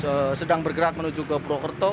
sekarang kita sedang bergerak menuju ke prokerto